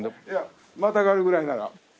いやまたがるぐらいなら。